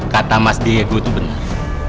kata mas diego itu benar